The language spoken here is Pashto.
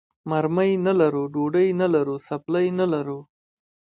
مرمۍ نه لرو، ډوډۍ نه لرو، څپلۍ نه لرو.